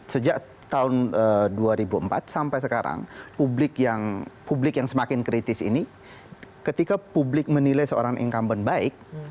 sejak tahun dua ribu empat sampai sekarang publik yang semakin kritis ini ketika publik menilai seorang incumbent baik